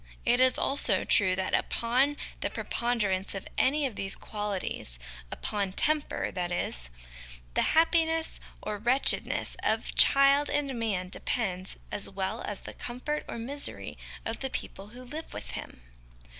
It is also true that upon the preponderance of any of these qualities upon temper, that is the happiness or wretchedness of child and man depends, as well as the comfort or misery of the people who live with him.